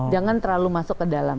jangan terlalu masuk ke dalam